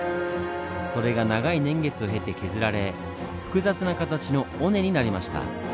それが長い年月を経て削られ複雑な形の尾根になりました。